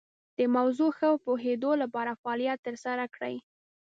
د موضوع ښه پوهیدو لپاره فعالیت تر سره کړئ.